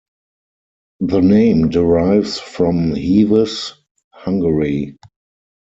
The name derives from Heves, Hungary.